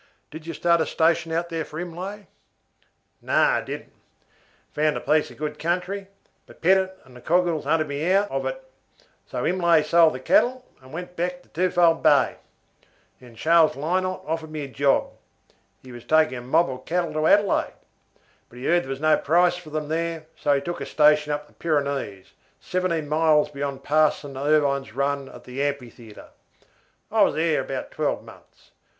Did you start a station there for Imlay?" "No, I didn't. I found a piece of good country, but Pettit and the Coghills hunted me out of it, so Imlay sold the cattle, and went back to Twofold Bay. Then Charles Lynot offered me a job. He was taking a mob of cattle to Adelaide, but he heard there was no price for them there, so he took up a station at the Pyrenees, seventeen miles beyond Parson Irvine's run at the Amphitheatre. I was there about twelve months.